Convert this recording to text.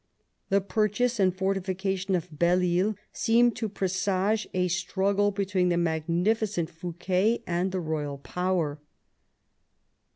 The purchase and fortifi cation of Belle Isle seemed to presage a struggle between the magnificent Fouquet and the royal power.